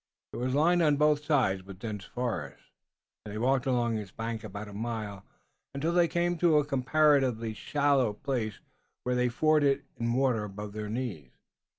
It was lined on both sides with dense forest, and they walked along its bank about a mile until they came to a comparatively shallow place where they forded it in water above their knees.